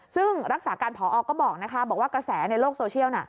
ซึ่งรักษาการพอก็บอกนะคะบอกว่ากระแสในโลกโซเชียลน่ะ